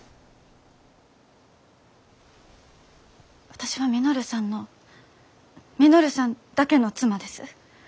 私は稔さんの稔さんだけの妻です。